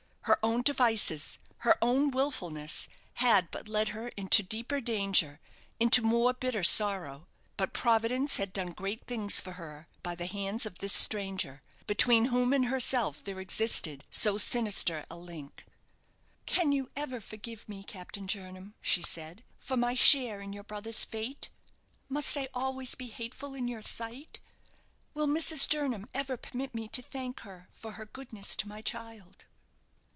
Her own devices, her own wilfulness had but led her into deeper danger, into more bitter sorrow; but Providence had done great things for her by the hands of this stranger, between whom and herself there existed so sinister a link. "Can you ever forgive me, Captain Jernam," she said, "for my share in your brother's fate? Must I always be hateful in your sight? Will Mrs. Jernam ever permit me to thank her for her goodness to my child?"